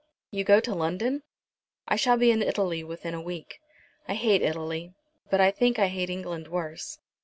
"You go to London?" "I shall be in Italy within a week. I hate Italy, but I think I hate England worse.